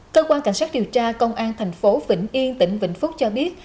cơ quan cảnh sát điều tra công an thành phố vĩnh yên tỉnh vĩnh phúc cho biết